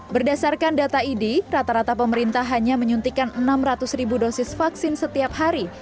berdasarkan data idi rata rata pemerintah hanya menyuntikan enam ratus ribu dosis vaksin setiap hari